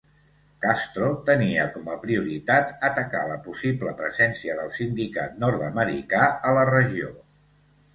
Castro tenia com a prioritat atacar la possible presència del sindicat nord-americà a la regió.